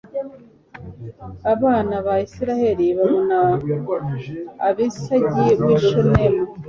abana ba isirayeli babona abisagi w i shunemu